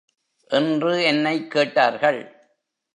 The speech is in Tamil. என்று என்னைக் கேட்டார்கள்.